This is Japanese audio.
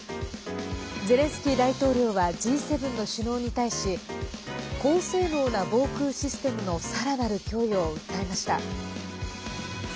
ゼレンスキー大統領はＧ７の首脳に対し高性能な防空システムのさらなる供与を訴えました。